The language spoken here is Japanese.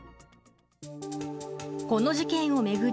この事件を巡り